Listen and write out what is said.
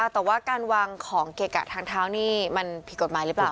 แต่ว่าการวางของเกะกะทางเท้านี่มันผิดกฎหมายหรือเปล่า